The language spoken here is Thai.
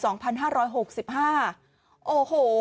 โอ้โห